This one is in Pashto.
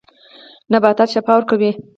نباتات شفاء ورکوي.